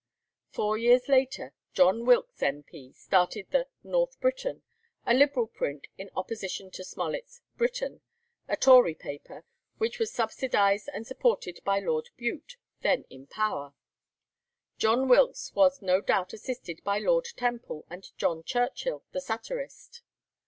Four years later, John Wilkes, M.P., started the 'North Briton,' a Liberal print, in opposition to Smollet's 'Briton,' a Tory paper, which was subsidized and supported by Lord Bute, then in power. John Wilkes was no doubt assisted by Lord Temple and John Churchill the satirist.